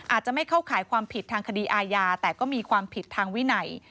อาจจะไม่เข้าข่ายความผิดทางคดีอาญาแต่ก็มีความผิดทางวินัย